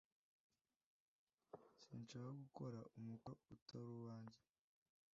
sinshaka gukora umukoro utaru wanjye